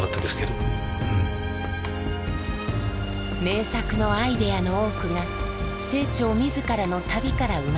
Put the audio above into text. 名作のアイデアの多くが清張自らの旅から生まれています。